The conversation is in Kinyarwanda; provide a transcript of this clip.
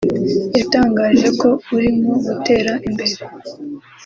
yatangaje ko urimo gutera imbere